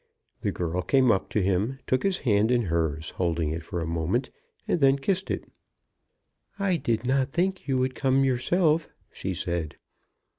The girl came up to him, took his hand in hers, holding it for a moment, and then kissed it. "I did not think you would come yourself," she said.